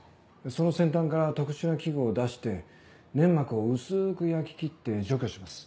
その先端から特殊な器具を出して粘膜を薄く焼き切って除去します。